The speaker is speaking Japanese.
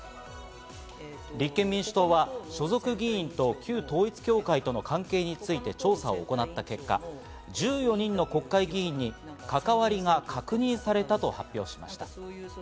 立憲民主党は所属議員と旧統一教会との関係について調査を行った結果、１４人の国会議員に関わりが確認されたと発表しました。